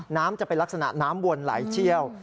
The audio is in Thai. น้ำจะเป็นลักษณะน้ำวนไหลเชี่ยว